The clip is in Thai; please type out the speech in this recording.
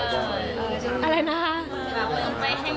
ทุกคนไม่เคยเคยไปกันมาก